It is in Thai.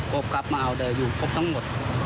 ครบครับมาเอาเดี๋ยวอยู่ครบทั้งหมด